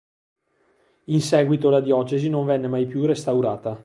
In seguito la diocesi non venne mai più restaurata.